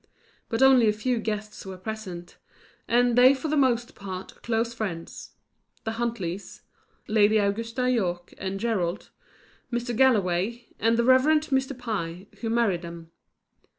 But only a few guests were present, and they for the most part close friends: the Huntleys; Lady Augusta Yorke, and Gerald; Mr. Galloway; and the Rev. Mr. Pye, who married them.